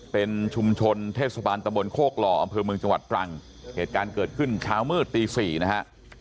เป็นชุมชนเทศบาลตะบนโคกหล่ออำเภอเมืองจังหวัดตรังเหตุการณ์เกิดขึ้นเช้ามืดตีสี่นะฮะ